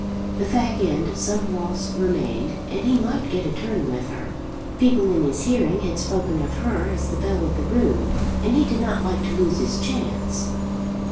The fag end of some waltz remained, and he might get a turn with her. People in his hearing had spoken of her as the belle of the room, and he did not like to lose his chance.